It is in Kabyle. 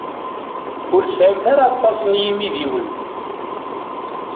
Ur tesɛimt ara aṭas n yimidiwen.